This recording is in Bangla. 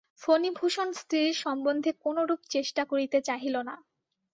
ফণিভূষণ স্ত্রীর সম্বন্ধে কোনোরূপ চেষ্টা করিতে চাহিল না।